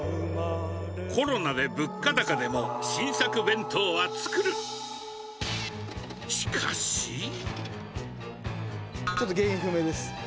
コロナで物価高でも新作弁当ちょっと原因不明です。